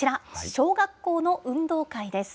小学校の運動会です。